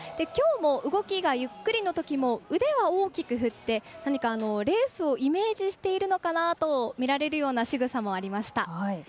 きょうも動きがゆっくりのときも腕は大きく振って何かレースをイメージしているのかなとみられるようなしぐさもありました。